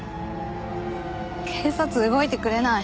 警察動いてくれない。